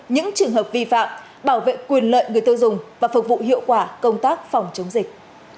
những trường hợp vi phạm bảo vệ quyền lợi người tiêu dùng và phục vụ hiệu quả công tác phòng chống dịch